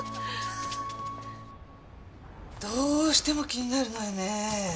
どうしても気になるのよねぇ。